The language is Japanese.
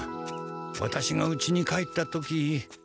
ワタシがうちに帰った時。